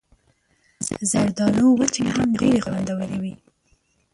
زردالو وچې هم ډېرې خوندورې وي.